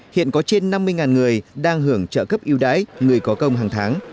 hiện có trên năm mươi người đang hưởng trợ cấp yêu đái người có công hàng tháng